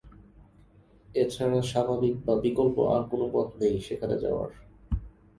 এ ছাড়া স্বাভাবিক বা বিকল্প আর কোনো পথ নেই সেখানে যাওয়ার।